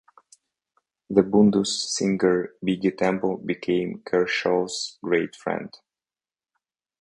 The Bhundus' singer Biggie Tembo became Kershaw's great friend.